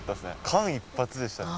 間一髪でしたね。